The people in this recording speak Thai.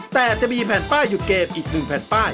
แต่จะมีแผ่นป้ายหยุดเกมอีก๑แผ่นป้าย